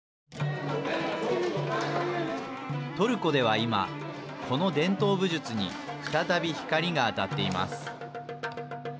トルコでは今、この伝統武術に再び光が当たっています。